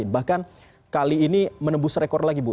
bahkan kali ini menembus rekor lagi bu